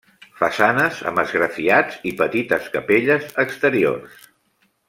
Façanes amb esgrafiats i petites capelles exteriors.